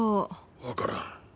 わからん。